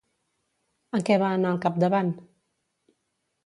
En què va anar al capdavant?